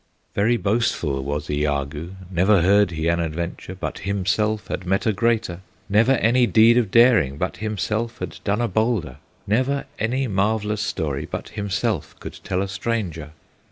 Very boastful was Iagoo; Never heard he an adventure But himself had met a greater; Never any deed of daring But himself had done a bolder; Never any marvellous story But himself could tell a stranger.